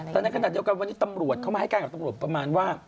แต่ในขณะเดียวกันวันนี้ตำรวจเข้ามาให้การกับตำรวจประมาณว่า